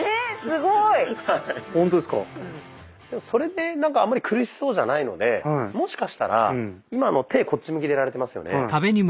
それであんまり苦しそうじゃないのでもしかしたら今の手こっち向きでやられてますよね。